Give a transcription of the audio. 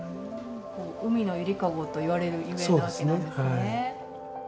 海の揺り籠といわれるゆえんなわけなんですね。